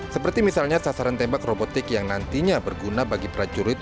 seperti misalnya sasaran tembak robotik yang nantinya berguna bagi prajurit